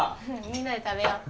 みんなで食べよう